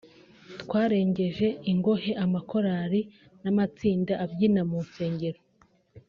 twarengeje ingohe amakorali n’amatsinda abyina mu nsengero